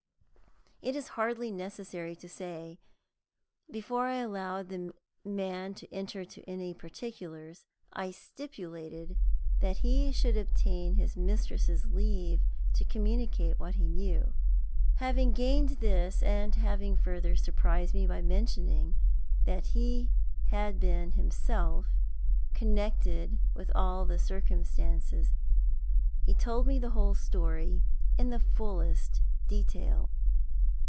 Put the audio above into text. It is hardly necessary to say that, before I allowed the man to enter into any particulars, I stipulated that he should obtain his mistress's leave to communicate what he knew. Having gained this, and having further surprised me by mentioning that he had been himself connected with all the circumstances, he told me the whole story in the fullest detail.